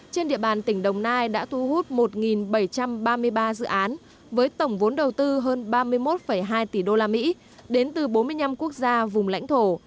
trên địa bàn tỉnh đồng nai đã thu hút một bảy trăm ba mươi ba dự án với tổng vốn đầu tư hơn ba mươi một hai tỷ usd đến từ bốn mươi năm quốc gia vùng lãnh thổ